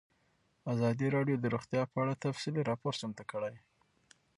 ازادي راډیو د روغتیا په اړه تفصیلي راپور چمتو کړی.